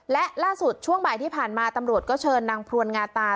และล่าสุดช่วงบ่ายที่ผ่านมาตำรวจก็เชิญนางพรวนงาตา